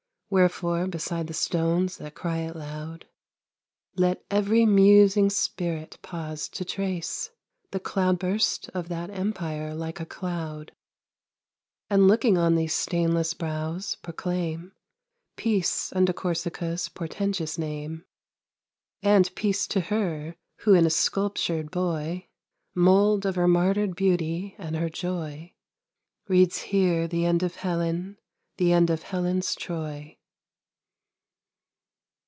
Wherefore, beside the stones that cry it loud, Let every musing spirit pause to trace The cloud burst of that Empire like a cloud; And, looking on these stainless brows, proclaim Peace unto Corsica's portentous name, And peace to her, who in a sculptured boy, Mould of her martyred beauty and her joy, Reads here the end of Helen, the end of Helen's Troy.